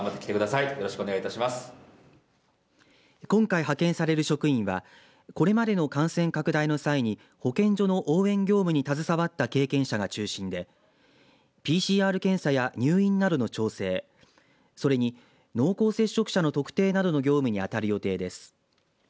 今回、派遣される職員はこれまでの感染拡大の際に保健所の応援業務に携わった経験者が中心でＰＣＲ検査や入院などの調整それに濃厚接触者の特定などの業務にあたる予定です。